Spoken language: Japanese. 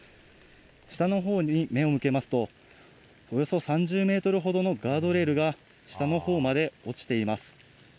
下のほうに目を向けますと、およそ３０メートルほどのガードレールが、下のほうまで落ちています。